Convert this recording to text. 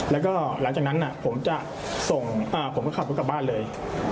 แล้วก็หลังจากนั้นผมจะส่งผมก็ขับรถกลับบ้านเลย